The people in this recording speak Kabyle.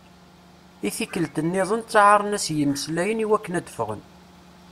I tikkelt-nniḍen ttaɛren-as yimeslayen iwakken ad ffɣen.